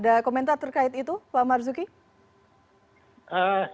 ada komentar terkait itu pak marzuki